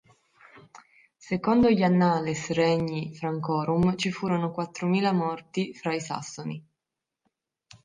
Secondo gli Annales Regni Francorum ci furono quattromila morti fra i sassoni.